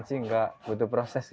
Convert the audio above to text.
tidak butuh proses